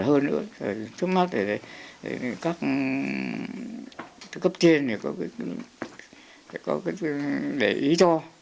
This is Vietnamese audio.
hơn nữa trước mắt thì các cấp trên thì có cái để ý cho